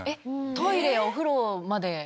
トイレやお風呂まで？